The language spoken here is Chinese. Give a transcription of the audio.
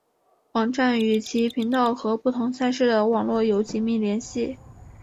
网站与其频道和不同赛事的网络有紧密联系。